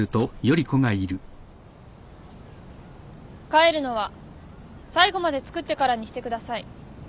帰るのは最後まで作ってからにしてください。